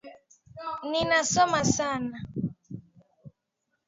Ninasoma Sana.